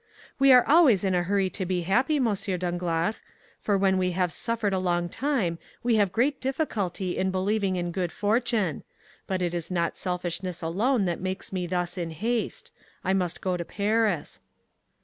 "We are always in a hurry to be happy, M. Danglars; for when we have suffered a long time, we have great difficulty in believing in good fortune. But it is not selfishness alone that makes me thus in haste; I must go to Paris."